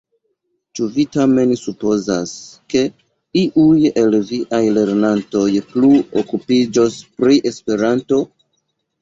Ĉu vi tamen supozas, ke iuj el viaj lernantoj plu okupiĝos pri Esperanto?